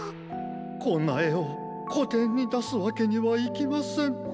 こんなえをこてんにだすわけにはいきません。